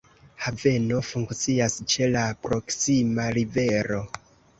Haveno funkcias ĉe la proksima rivero.